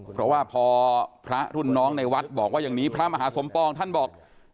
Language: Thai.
เพราะว่าพอพระรุ่นน้องในวัดบอกว่าอย่างนี้พระมหาสมปองท่านบอก